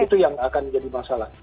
itu yang akan jadi masalah